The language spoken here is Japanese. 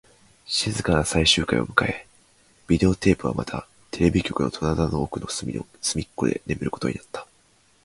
静かな最終回を迎え、ビデオテープはまたテレビ局の戸棚の奥の隅っこで眠ることになった